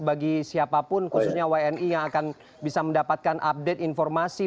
bagi siapapun khususnya wni yang akan bisa mendapatkan update informasi